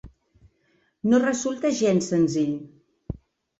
No resulta gens senzill.